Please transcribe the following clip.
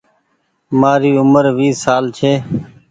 مآري اومر ويس سال ڇي۔